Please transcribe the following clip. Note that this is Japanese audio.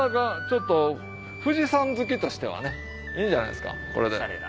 ちょっと富士山好きとしてはねいいんじゃないですかこれで。